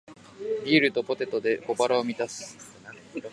ビールとポテトで小腹を満たす